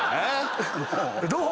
⁉どう？